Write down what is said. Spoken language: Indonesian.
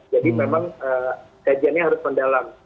jadi memang kajiannya harus mendalam